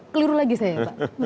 keliru lagi saya ya pak